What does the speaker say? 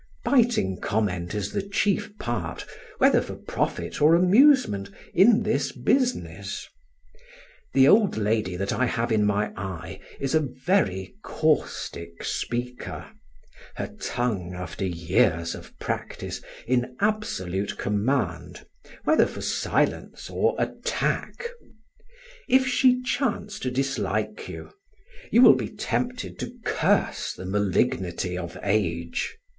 Biting comment is the chief part, whether for profit or amusement, in this business. The old lady that I have in my eye is a very caustic speaker, her tongue, after years of practice, in absolute command, whether for silence or attack. If she chance to dislike you, you will be tempted to curse the malignity of age.